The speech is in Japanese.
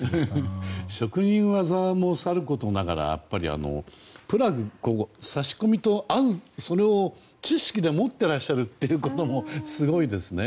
職人技もさることながらプラグ１個、挿し込みと合う知識でもってらっしゃるということもすごいですね。